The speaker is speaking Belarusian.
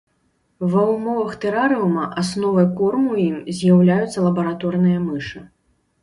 Ва ўмовах тэрарыума асновай корму ім з'яўляюцца лабараторныя мышы.